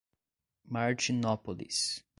Martinópolis